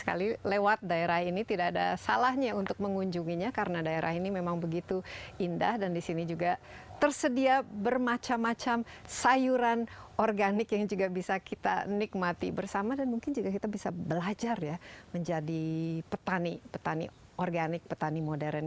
sekali lewat daerah ini tidak ada salahnya untuk mengunjunginya karena daerah ini memang begitu indah dan disini juga tersedia bermacam macam sayuran organik yang juga bisa kita nikmati bersama dan mungkin juga kita bisa belajar ya menjadi petani petani organik petani modern